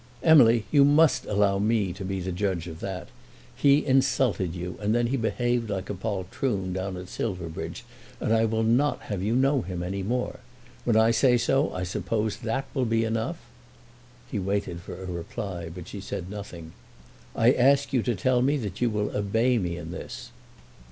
"Emily, you must allow me to be the judge of that. He insulted you, and then he behaved like a poltroon down at Silverbridge, and I will not have you know him any more. When I say so I suppose that will be enough." He waited for a reply, but she said nothing. "I ask you to tell me that you will obey me in this."